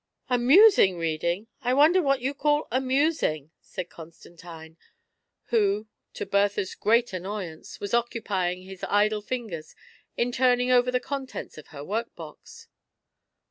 " Amusing reading ! I wonder what you call amusing !" said Constantine, who, to Bertha's great annoyance, was occupying his idle fingers in turning over the contents of her work box.